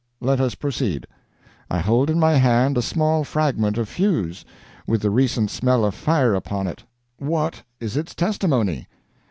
Let us proceed. I hold in my hand a small fragment of fuse, with the recent smell of fire upon it. What is its testimony?